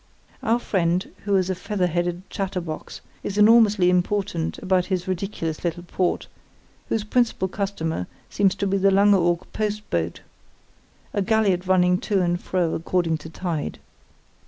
Our friend, who is a feather headed chatterbox, is enormously important about his ridiculous little port, whose principal customer seems to be the Langeoog post boat, a galliot running to and fro according to tide.